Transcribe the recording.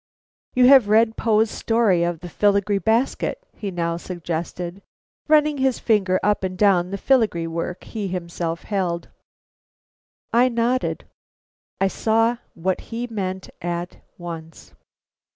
"You have read Poe's story of the filigree basket?" he now suggested, running his finger up and down the filigree work he himself held. I nodded. I saw what he meant at once.